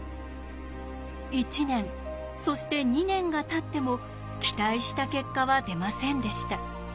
１年そして２年がたっても期待した結果は出ませんでした。